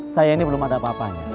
saya ini belum ada apa apanya